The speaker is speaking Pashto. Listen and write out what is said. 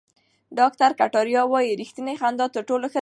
ډاکټر کتاریا وايي ریښتینې خندا تر ټولو ښه درمل دي.